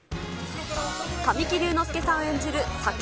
神木隆之介さん演じるサケ